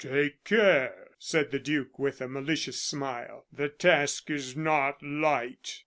"Take care," said the duke, with a malicious smile; "the task is not light."